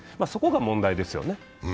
そこが問題ですよね。